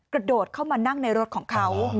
กระโดดเข้ามานั่งในรถของเขา